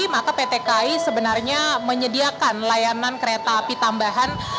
maka pt kai sebenarnya menyediakan layanan kereta api tambahan